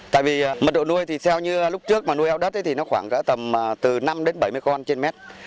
tại vì mật độ nuôi thì theo như lúc trước mà nuôi heo đất thì nó khoảng cỡ tầm từ năm đến bảy mươi con trên mét